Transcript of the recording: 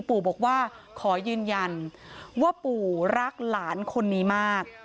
ปู่บอกว่าขอยืนยันว่าปู่รักหลานคนนี้มาก